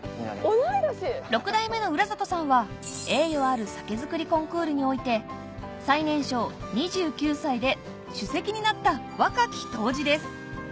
同い年！は栄誉ある酒造りコンクールにおいて最年少２９歳で首席になった若き杜氏です